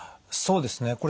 そうですね。